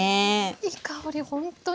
いい香りほんとに。